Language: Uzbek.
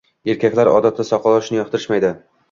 Erkaklar odatda soqol olishni yoqtirishmaydi.